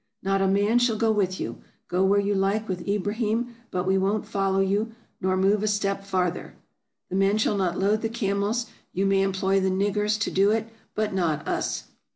" Not a man shall go with you! — go where you like with Ibrahim, but we won't follow you nof move a step farther. The men shall not load the camels ; you may employ the ' niggers ' to do it, but not us."